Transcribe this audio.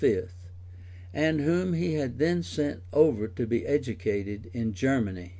and whom he had then sent over to be educated in Germany.